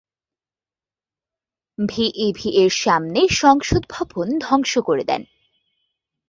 V ইভি এর সামনে সংসদ ভবন ধ্বংস করে দেন।